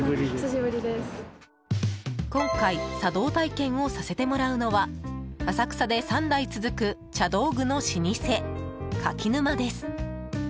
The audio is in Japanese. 今回茶道体験をさせてもらうのは浅草で３代続く茶道具の老舗かきぬまです。